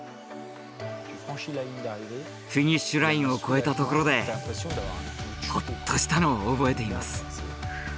フィニッシュラインを越えたところでホッとしたのを覚えています。